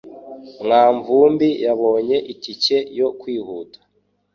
mwanvumbi yabonye itike yo kwihuta